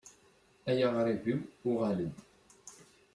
Ay aɣṛib-iw, uɣal-d.